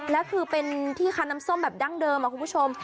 แล้วคือเป็นที่คาน้ำส้มแบบดั้งเดิมคุณผู้ชม